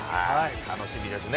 楽しみですね。